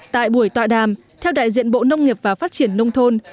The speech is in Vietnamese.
tại buổi tọa đàm theo đại diện bộ nông nghiệp và phát triển nông thôn